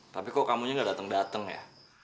tapi kok kamu nya gak dateng dateng ya